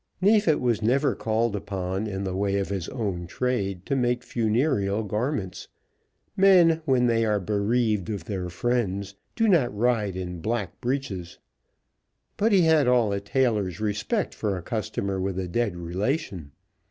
Neefit was never called upon, in the way of his own trade, to make funereal garments. Men, when they are bereaved of their friends, do not ride in black breeches. But he had all a tailor's respect for a customer with a dead relation.